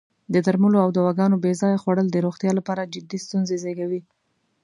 د درملو او دواګانو بې ځایه خوړل د روغتیا لپاره جدی ستونزې زېږوی.